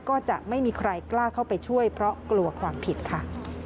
ก็จะไม่มีใครกล้าเข้าไปช่วยเพราะกลัวความผิดค่ะ